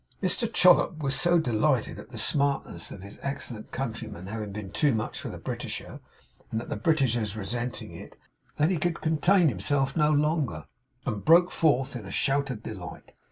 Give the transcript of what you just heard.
Mr Chollop was so delighted at the smartness of his excellent countryman having been too much for the Britisher, and at the Britisher's resenting it, that he could contain himself no longer, and broke forth in a shout of delight.